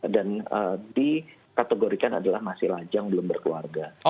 dan dikategorikan adalah masih lajang belum berkeluarga